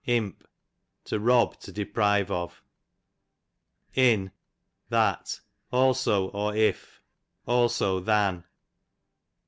Imp, to rob, to deprive of. In, that; also or if, also than.